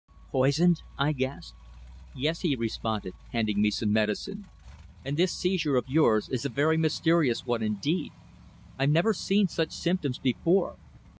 "Poisoned?" I gasped. "Yes," he responded, handing me some medicine. "And this seizure of yours is a very mysterious one indeed. I've never seen such symptoms before.